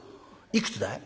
いくつだい？